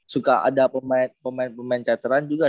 suka ada pemain pemain cateran juga